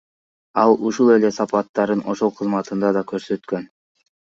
Ал ушул эле сапаттарын ошол кызматында да көрсөткөн.